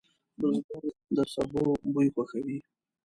بزګر د سبو بوی خوښوي